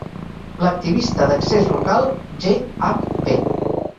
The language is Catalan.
L'activista d'accés local G. H. B.